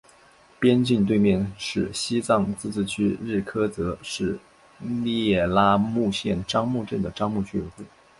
边境对面是西藏自治区日喀则市聂拉木县樟木镇的樟木居委会。